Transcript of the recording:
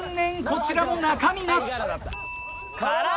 こちらも中身なし。